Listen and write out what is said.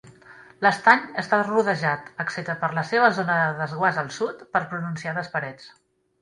L'estany està rodejat, excepte per la seva zona de desguàs al sud, per pronunciades parets.